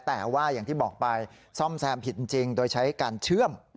แต่ว่าอย่างที่บอกไปซ่อมแซมผิดจริงโดยใช้การเชื่อม